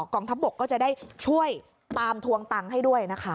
กองทัพบกก็จะได้ช่วยตามทวงตังค์ให้ด้วยนะคะ